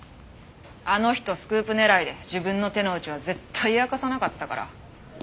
あの人スクープ狙いで自分の手の内は絶対明かさなかったから。